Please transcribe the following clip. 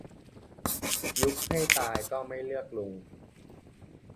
ยุบให้ตายก็ไม่เลือกลุง